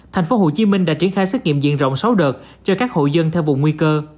tp hcm đã triển khai xét nghiệm diện rộng sáu đợt cho các hộ dân theo vùng nguy cơ